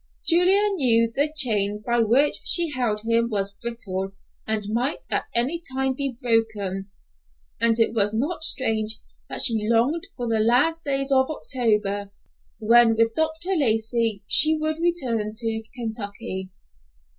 Julia knew the chain by which she held him was brittle and might at any time be broken, and it was not strange that she longed for the last days of October, when with Dr. Lacey she would return to Kentucky.